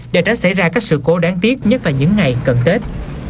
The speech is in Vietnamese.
để tránh xảy ra các sự cố đáng tiếc nhất là những ngày cận tết